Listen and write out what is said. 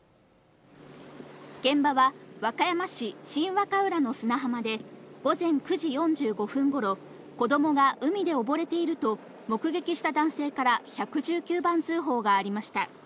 現場は和歌山市新和歌浦の砂浜で、午前９時４５分ごろ、子どもが海で溺れていると、目撃した男性から１１９番通報がありました。